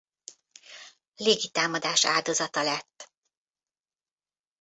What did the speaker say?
Légitámadás áldozata lett.